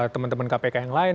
teman teman kpk yang lain